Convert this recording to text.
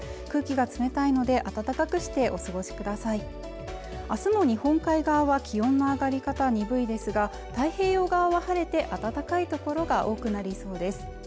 空気が冷たいので暖かくしてお過ごしください明日も日本海側は気温の上がり方鈍いですが太平洋側は晴れて暖かい所が多くなりそうです